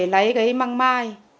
lấy cái măng mai